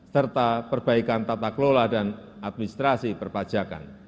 serta perbaikan tata kelola dan administrasi perpajakan